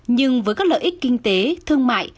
nhưng với các lợi ích kinh tế thương mại